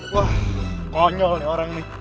wah konyol nih orang nih